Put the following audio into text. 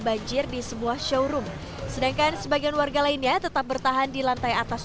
banjir di sebuah showroom sedangkan sebagian warga lainnya tetap bertahan di lantai atas